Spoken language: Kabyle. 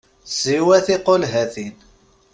Siwa tiqulhatin!